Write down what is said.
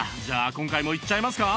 今回もいっちゃいますか！